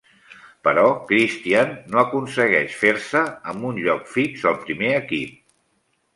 Però Cristian no aconsegueix fer-se amb un lloc fix al primer equip.